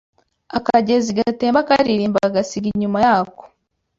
Akagezi gatemba karirimba gasiga inyuma yako